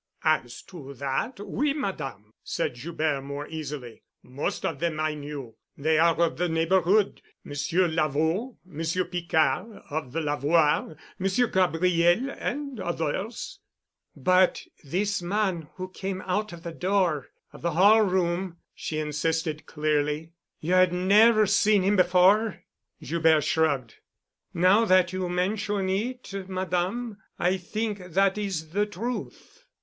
"As to that—oui, Madame," said Joubert more easily. "Most of them I knew—they are of the neighborhood. Monsieur Lavaud, Monsieur Picard of the Lavoir, Monsieur Gabriel and others——" "But this man who came out of the door of the hall room," she insisted clearly. "You had never seen him before?" Joubert shrugged. "Now that you mention it, Madame, I think that is the truth."